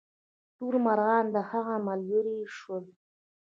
ټول مرغان د هغه ملګري شول.